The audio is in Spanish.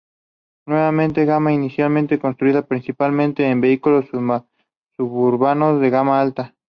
La nueva gama inicialmente consistiría principalmente en vehículos suburbanos de gama alta.